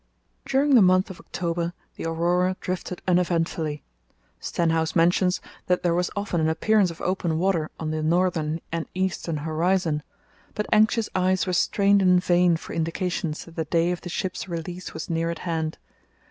During the month of October the Aurora drifted uneventfully. Stenhouse mentions that there was often an appearance of open water on the northern and eastern horizon. But anxious eyes were strained in vain for indications that the day of the ship's release was near at hand.